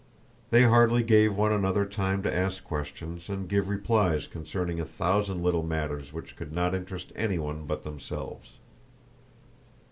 They hardly gave one another time to ask questions and give replies concerning a thousand little matters which could not interest anyone but themselves.